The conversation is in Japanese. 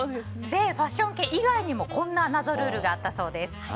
ファッション系以外にもこんな謎ルールがあったそうです。